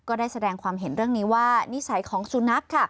ก็ได้แสดงความเห็นเรื่องนี้ว่านิสัยของสุนัขค่ะ